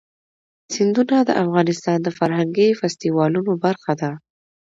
سیندونه د افغانستان د فرهنګي فستیوالونو برخه ده.